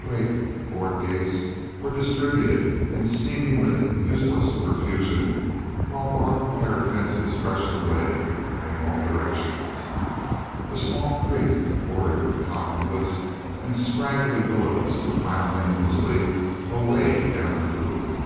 Great, board gates were distributed in seemingly useless profusion, while barbed wire fences stretched away in all directions. A small creek, bordered with cottonwoods and scraggly willows, wound aimlessly away down the coulee.